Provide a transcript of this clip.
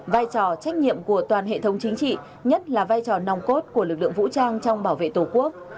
vai trò trách nhiệm của toàn hệ thống chính trị nhất là vai trò nòng cốt của lực lượng vũ trang trong bảo vệ tổ quốc